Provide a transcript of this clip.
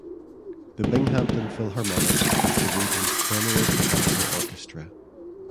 The Binghamton Philharmonic is the region's premiere professional orchestra.